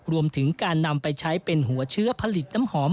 รวมถึงการนำไปใช้เป็นหัวเชื้อผลิตน้ำหอม